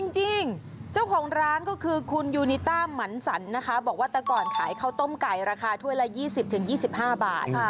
จริงเจ้าของร้านก็คือคุณยูนิต้าหมันสันนะคะบอกว่าแต่ก่อนขายข้าวต้มไก่ราคาถ้วยละ๒๐๒๕บาท